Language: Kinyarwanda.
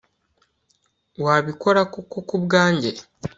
Wabikora koko kubwanjye